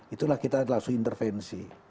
itulah kita langsung intervensi